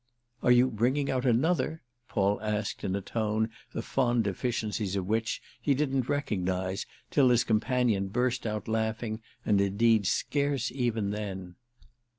"Are you bringing out another—?" Paul asked in a tone the fond deficiencies of which he didn't recognise till his companion burst out laughing, and indeed scarce even then.